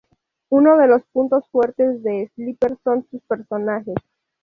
Uno de los puntos fuertes de Sleeper son sus personajes.